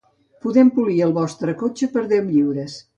Podem polir el vostre cotxe per deu lliures.